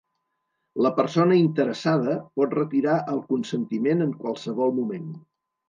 La persona interessada pot retirar el consentiment en qualsevol moment.